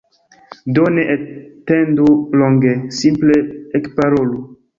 Do, ne atendu longe, simple Ekparolu!